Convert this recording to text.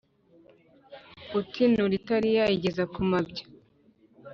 Utinura itari iye ayigeza ku mabya